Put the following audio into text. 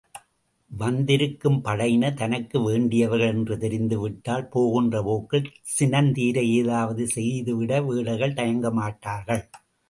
வந்திருக்கும் படையினர் தனக்கு வேண்டியவர்கள் என்று தெரிந்துவிட்டால், போகின்ற போக்கில் சினந்தீர ஏதாவது செய்துவிட வேடர்கள் தயங்க மாட்டார்கள்.